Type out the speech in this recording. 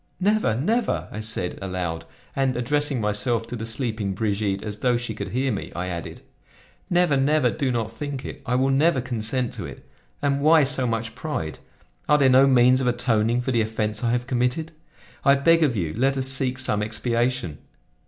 Never! never!" I said aloud; and, addressing myself to the sleeping Brigitte as though she could hear me, I added: "Never, never; do not think of it; I will never consent to it. And why so much pride? Are there no means of atoning for the offense I have committed? I beg of you let us seek some expiation.